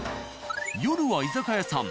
夜は居酒屋さん